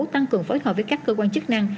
tăng cường phối hợp với các cơ quan chức năng